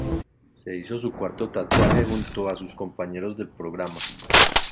Se hizo su cuarto tatuaje junto a sus compañeros del programa.